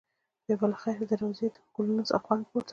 بیا به له خیره د روضې د ګلونو څخه خوند پورته کړې.